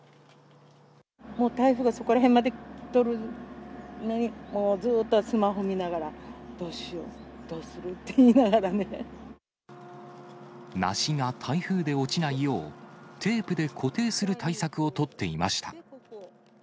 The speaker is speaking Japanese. もう台風がそこら辺まで来とるから、スマホ見ながら、どうしよう、どうする？って言いながら梨が台風で落ちないよう、テープで固定する対策を取っていました。